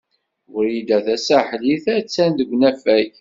Wrida Tasaḥlit a-tt-an deg unafag.